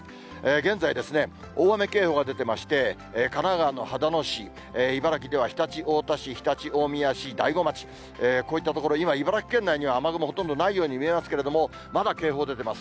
現在、大雨警報が出てまして、神奈川の秦野市、茨城では常陸太田市、常陸大宮市、大子町、こういった所、今、茨城県内には雨雲ほとんどないように見えますけれども、まだ警報出てます。